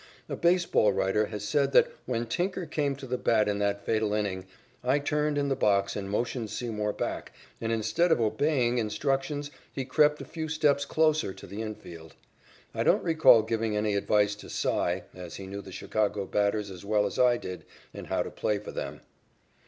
A baseball writer has said that, when Tinker came to the bat in that fatal inning, I turned in the box and motioned Seymour back, and instead of obeying instructions he crept a few steps closer to the infield. I don't recall giving any advice to "Cy," as he knew the Chicago batters as well as I did and how to play for them.